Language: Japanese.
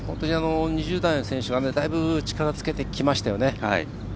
２０代の選手がだいぶ力つけてきましたよね。